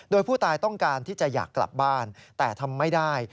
โดยผู้ตายต้องการที่จะอยากกลับบ้านแต่ทำไม่ได้